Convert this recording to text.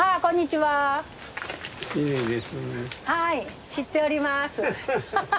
はい知っております。